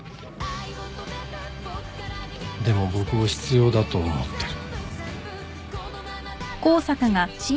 でも僕を必要だと思ってる。